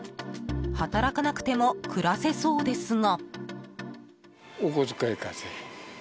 働かなくても暮らせそうですが。